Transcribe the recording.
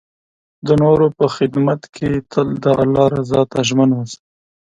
د نور په خدمت کې تل د الله رضا ته ژمن اوسئ.